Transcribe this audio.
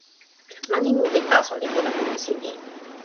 mani mute taso li pona lon musi ni.